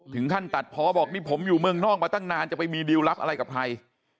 ถึงขั้นตัดพอบอกนี่ผมอยู่เมืองนอกมาตั้งนานจะไปมีดิวลลับอะไรกับใคร